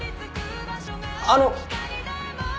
あの！